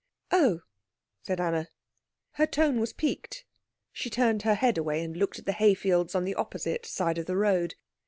"Oh," said Anna. Her tone was piqued. She turned her head away, and looked at the hay fields on the opposite side of the road.